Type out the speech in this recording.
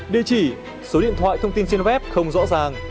địa chỉ số điện thoại thông tin trên web không rõ ràng